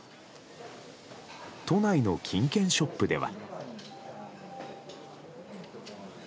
都内の金券ショップでは。